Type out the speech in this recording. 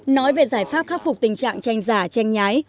nói về giải pháp khắc phục tình trạng tranh giả tranh nhái